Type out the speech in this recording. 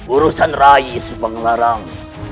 urusan rayi sepenglarang